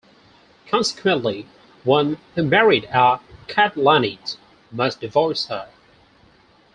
Consequently, one who married a "katlanit" must divorce her.